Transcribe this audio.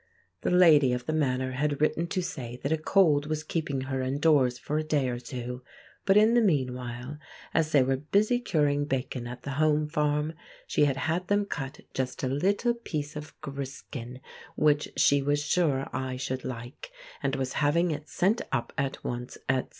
The lady of the manor had written to say that a cold was keeping her indoors for a day or two; but in the meanwhile, as they were busy curing bacon at the home farm, she had had them cut just a little piece of griskin, which she was sure I should like, and was having it sent up at once, etc.